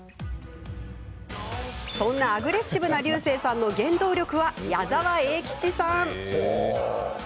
そんなアグレッシブな竜星さんの原動力は矢沢永吉さん。